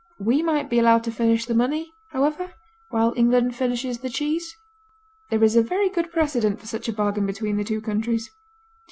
We might be allowed to furnish the money, however, while England furnishes the cheese. There is a very good precedent for such a bargain between the two countries.